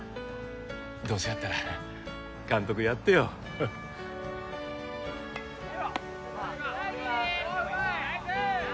どうせやったら監督やってよナイス！